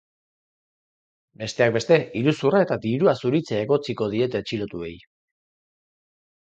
Besteak beste, iruzurra eta dirua zuritzea egotziko diete atxilotuei.